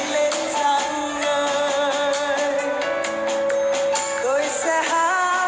dẫu có khó khăn